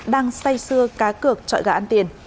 đang xây xưa cá cược trọi gà ăn tiền